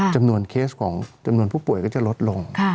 เคสของจำนวนผู้ป่วยก็จะลดลง